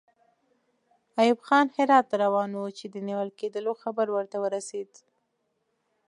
ایوب خان هرات ته روان وو چې د نیول کېدلو خبر ورته ورسېد.